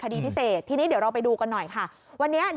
คดีพิเศษทีนี้เดี๋ยวเราไปดูกันหน่อยค่ะวันนี้